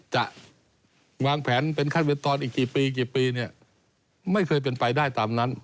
จะวางแผนเป็นขั้นเวตตอนอีกกี่ปีไม่เคยเป็นไปได้ตามนั้น